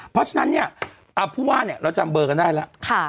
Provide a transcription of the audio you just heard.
เพราะฉะนั้นเนี่ยผู้ว่าเนี่ยเราจำเบอร์กันได้แล้ว